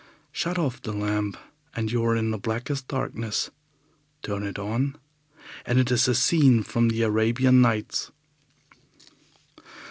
Shut off the lamp, and you are in the blackest darkness. Turn it on, and it is a scene from the Arabian Nights.